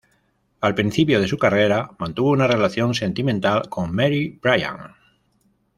Al principio de su carrera mantuvo una relación sentimental con Mary Brian.